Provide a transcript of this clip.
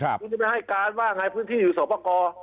ไปให้การว่าหายพื้นที่อยู่อยู่สอปกร